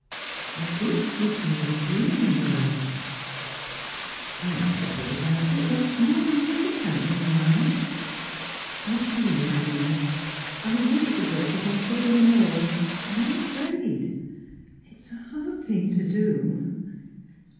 "And this, you feel, is ruining your life?" "I'm troubled about it, but more on his account than mine. I'll tell you, Irene, I want to break off, for good and all, and I'm afraid. It's a hard thing to do."